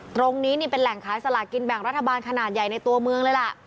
ตรงนี้นี่เป็นแหล่งขายสลากินแบ่งรัฐบาลขนาดใหญ่ในตัวเมืองเลยล่ะ